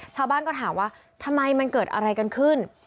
ชาวบ้านก็ถามว่าทำไมมันเกิดอะไรกันขึ้น